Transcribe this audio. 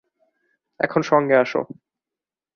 এখন সঙ্গে আসো।